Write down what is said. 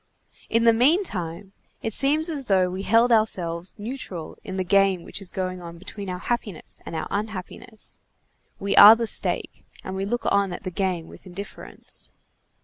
In the meantime, it seems as though we held ourselves neutral in the game which is going on between our happiness and our unhappiness. We are the stake, and we look on at the game with indifference.